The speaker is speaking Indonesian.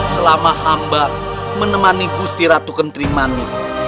selama hamba menemani gusti ratu kentrimani